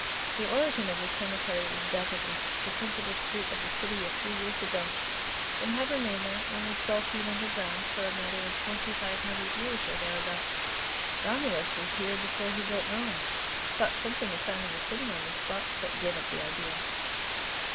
The original of this cemetery was dug up in the principal street of the city a few years ago. It had remained there, only twelve feet underground, for a matter of twenty five hundred years or thereabouts. Romulus was here before he built Rome, and thought something of founding a city on this spot, but gave up the idea.